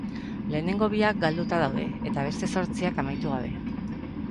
Lehenengo biak galduta daude, eta beste zortziak amaitu gabe.